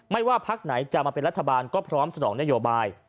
ว่าพักไหนจะมาเป็นรัฐบาลก็พร้อมสนองนโยบาย